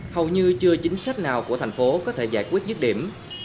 hầu như chưa chính sách nào của thành phố có thể giải quyết dứt điểm